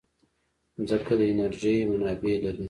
مځکه د انرژۍ منابع لري.